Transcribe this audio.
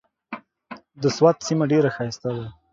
د سوات سيمه ډېره ښايسته ده۔